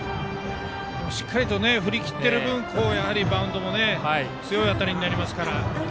しっかり振り切っている分バウンドも強い当たりになりますから。